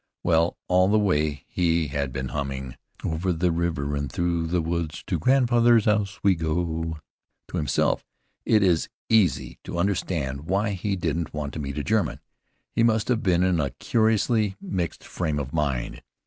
Well, all the way he had been humming "Over the river and through the wood To grandfather's house we go," to himself. It is easy to understand why he didn't want to meet a German. He must have been in a curiously mixed frame of mind.